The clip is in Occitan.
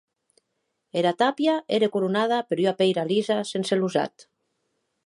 Era tàpia ère coronada per ua pèira lisa sense losat.